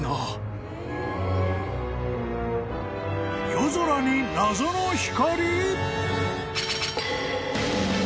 ［夜空に謎の光？］